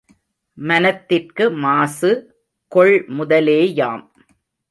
மனத்திற்கு மாசு கொள்முதலேயாம்.